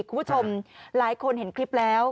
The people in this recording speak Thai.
คุณผู้ชมหลายคนเห็นคลิปแล้ว